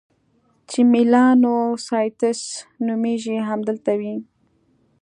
چې میلانوسایټس نومیږي، همدلته وي.